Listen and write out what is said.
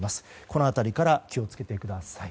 この辺りから気を付けてください。